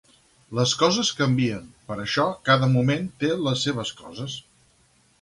Les coses canvien, per això cada moment té les seves coses.